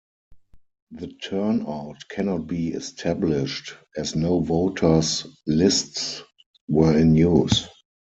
The turnout cannot be established, as no voters lists were in use.